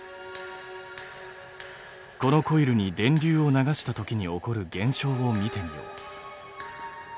このコイルに電流を流したときに起こる現象を見てみよう。